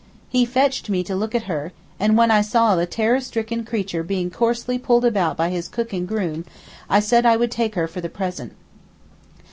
He fetched me to look at her, and when I saw the terror stricken creature being coarsely pulled about by his cook and groom, I said I would take her for the present.